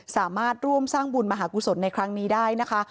สามารถร่วมสร้างบุญมหากุศลในครั้งนี้ได้นะคะ